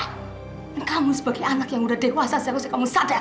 dan kamu sebagai anak yang udah dewasa seriusnya kamu sadar